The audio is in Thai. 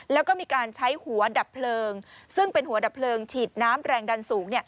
แล้วก็มีการใช้หัวดับเพลิงซึ่งเป็นหัวดับเพลิงฉีดน้ำแรงดันสูง